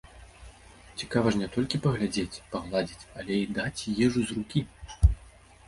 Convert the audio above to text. Цікава ж не толькі паглядзець, пагладзіць, але і даць ежу з рукі!